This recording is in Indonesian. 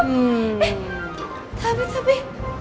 eh tapi tapi